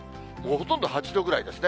ほとんど８度ぐらいですね。